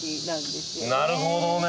なるほどね！